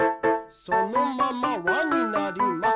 そのまま輪になります。